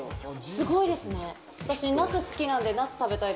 すごいですね。